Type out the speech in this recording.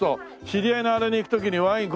知り合いのあれに行く時にワイン